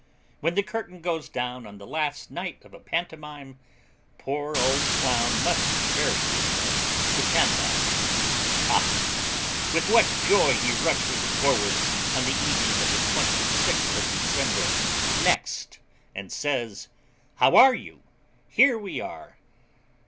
When the curtain goes down on the last night of a pantomime, poor old clown must be very dismal, depend on it. Ha! with what joy he rushes forward on the evening of the 26th of December next, and says 'How are you? Here we are!'